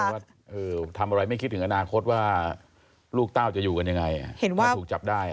ว่าทำอะไรไม่คิดถึงอนาคตว่าลูกเต้าจะอยู่กันยังไงเห็นว่าถูกจับได้